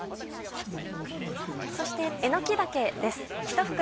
そしてえのき茸です。